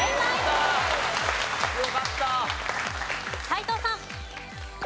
斎藤さん。